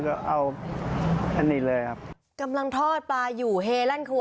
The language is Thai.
ก็เอาอันนี้เลยครับกำลังทอดปลาอยู่เฮลั่นครัว